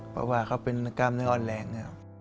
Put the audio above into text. เพราะว่าเขาเป็นกล้ามเนื้ออ่อนแรง